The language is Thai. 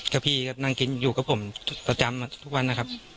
ก็พี่ก็นั่งกินอยู่กับผมประจำทุกวันนะครับ